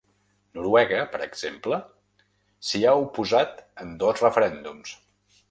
Noruega, per exemple, s’hi ha oposat en dos referèndums.